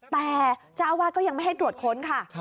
แต่เจ้าอาวาสก็ยังไม่ให้ตรวจค้นค่ะ